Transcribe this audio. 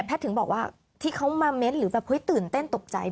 ถึงบอกว่าที่เขามาเม้นต์หรือแบบเฮ้ยตื่นเต้นตกใจ